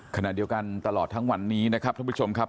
ขณะเดียวกันตลอดทั้งวันนี้นะครับท่านผู้ชมครับ